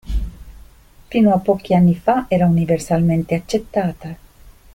Fino a pochi anni fa era universalmente accettata.